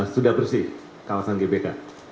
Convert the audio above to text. sudah bersih kawasan gbk